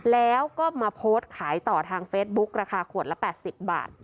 แล้วก็มาโพสต์ขายต่อทางเฟซบุ๊กราคาขวดละ๘๐บาท